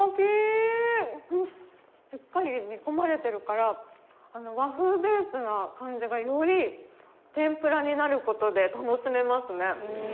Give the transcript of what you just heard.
しっかり煮込まれてるから和風ベースな感じがより天ぷらになる事で楽しめますね。